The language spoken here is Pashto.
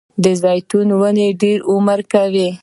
د زیتون ونه ډیر عمر کوي